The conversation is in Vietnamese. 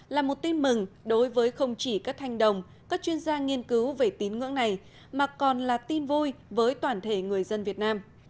là một tin mừng đối với không chỉ các thanh đồng các chuyên gia nghiên cứu về tín ngưỡng này mà còn là tin vui với toàn thể người dân việt nam